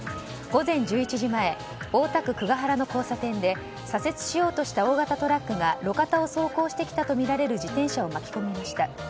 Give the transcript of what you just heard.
午前１１時前大田区久が原の交差点で左折しようとした大型トラックが路肩を走行してきたとみられる自転車を巻き込みました。